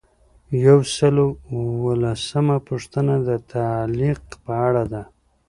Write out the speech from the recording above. یو سل او اووه لسمه پوښتنه د تعلیق په اړه ده.